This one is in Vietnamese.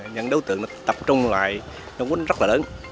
những đối tượng tập trung lại nó vốn rất là lớn